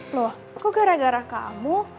loh kok gara gara kamu